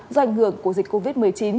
do ảnh hưởng của dịch covid một mươi chín